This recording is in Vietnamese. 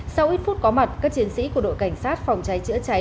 sau ít phút có mặt các chiến sĩ của đội cảnh sát phòng cháy chữa cháy